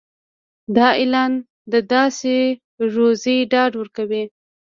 دا اعلان د داسې روزي ډاډ ورکوي.